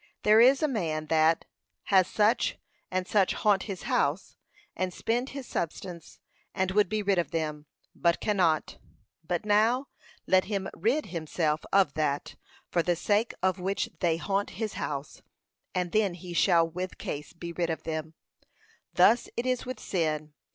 There is a man that, has such and such haunt his house, and spend his substance, and would be rid of them, but cannot; but now, let him rid himself of that, for the sake of which they haunt his house, and then he shall with case be rid of them. Thus it is with sin.